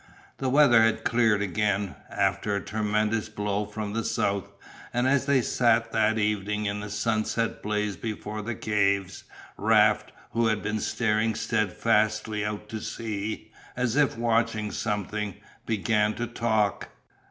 The weather had cleared again, after a tremendous blow from the south, and as they sat that evening in the sunset blaze before the caves, Raft, who had been staring steadfastly out to sea as if watching something, began to talk.